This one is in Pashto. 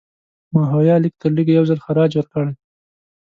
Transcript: ماهویه لږترلږه یو ځل خراج ورکړی.